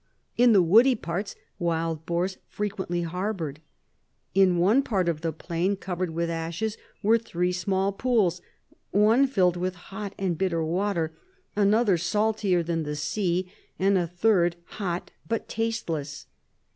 In the woody parts wild boars frequently harbored. In one part of the plain, covered with ashes, were three small pools; one filled with hot and bitter water, another salter than the sea, and a third hot but tasteless."